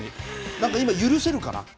なんか今、許せるかな。